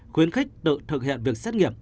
khuyến khách tự thực hiện việc xét nghiệm